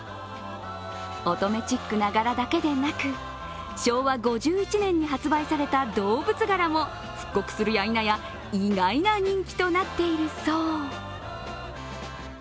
乙女チックな柄だけでなく、昭和５１年に発売された動物柄も復刻するやいなや意外な人気となっているそう。